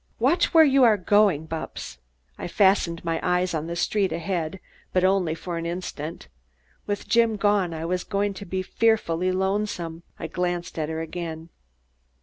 "Watch where you are going, Bupps!" I fastened my eyes on the street ahead, but only for an instant. With Jim gone, I was going to be fearfully lonesome. I glanced at her again.